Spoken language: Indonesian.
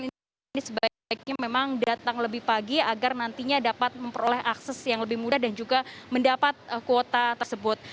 ini sebaiknya memang datang lebih pagi agar nantinya dapat memperoleh akses yang lebih mudah dan juga mendapat kuota tersebut